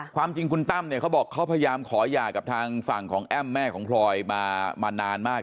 ความจริงคุณตั้มเนี่ยเขาบอกเขาพยายามขอหย่ากับทางฝั่งของแอ้มแม่ของพลอยมานานมาก